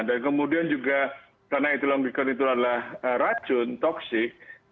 dan kemudian juga karena ethylene glikol itu adalah racun toksik